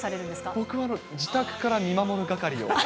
僕は自宅から見守る係を。